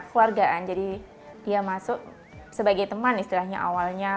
keluargaan jadi dia masuk sebagai teman istilahnya awalnya